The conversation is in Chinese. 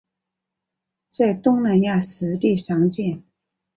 在东南亚湿地常见。